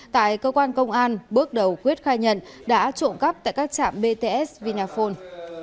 tại cơ quan công an bước đầu quyết khai nhận đã trộm cắp tại các trạm bts vinaphone